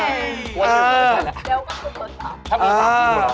อยู่กับเขา